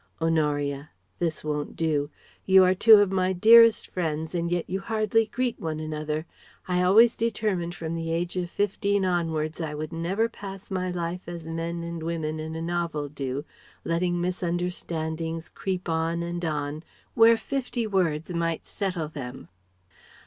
Honoria: "This won't do. You are two of my dearest friends, and yet you hardly greet one another. I always determined from the age of fifteen onwards I would never pass my life as men and women in a novel do letting misunderstandings creep on and on where fifty words might settle them.